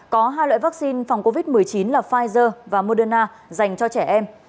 có hai loại vaccine phòng covid một mươi chín là pfizer và moderna dành cho trẻ em